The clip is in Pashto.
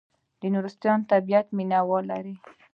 نورستان د طبیعت مینه وال لري